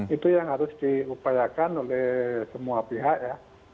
itu yang harus diupayakan oleh semua pihak ya